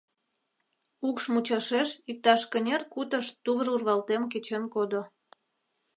Укш мучашеш иктаж кынер кутыш тувыр урвалтем кечен кодо.